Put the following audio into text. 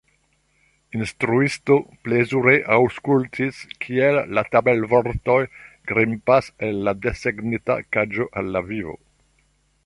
Instruisto plezure aŭskultis kiel la tabelvortoj grimpas el la desegnita kaĝo al la vivo.